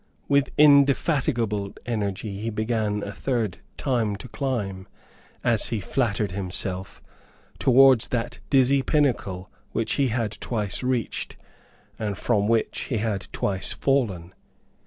With indefatigable energy he began a third time to climb, as he flattered himself, towards that dizzy pinnacle which he had twice reached, and from which he had twice fallen.